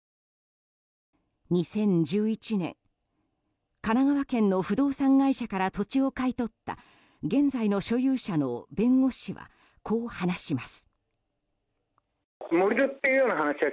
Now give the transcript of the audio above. ２０１１年神奈川県の不動産会社から土地を買い取った現在の所有者の弁護士はこう話します。